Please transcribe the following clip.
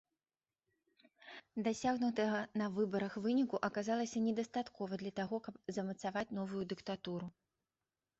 Дасягнутага на выбарах выніку аказалася недастаткова для таго, каб замацаваць новую дыктатуру.